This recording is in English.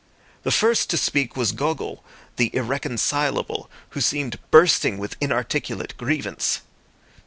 The first to speak was Gogol, the irreconcilable, who seemed bursting with inarticulate grievance.